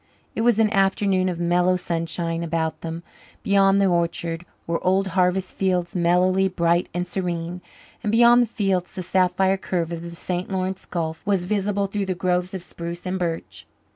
It was an afternoon of mellow sunshine; about them, beyond the orchard, were old harvest fields, mellowly bright and serene, and beyond the fields the sapphire curve of the St. Lawrence Gulf was visible through the groves of spruce and birch.